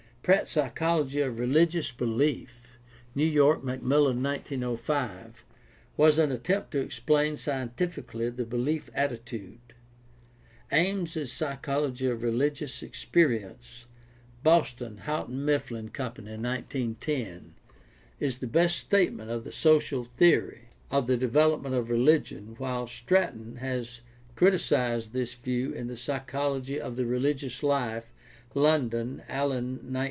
Pratt's Psychology of Religious Belief (New York: Macmillan, 1905) was an attempt to explain scientifically the belief attitude. Ames's Psychology of Religious Experience (Boston : Houghton Mifflin 666 GUIDE TO STUDY OF CHRISTIAN RELIGION Co., 1910) is the best statement of the social theory of the development of religion, while Stratton has criticized this view in The Psychology of the Religious Life (London : Allen, 1911).